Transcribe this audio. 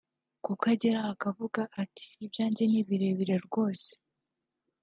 kuko agera aho akavuga ati “Ibyanjye ni birebire rwose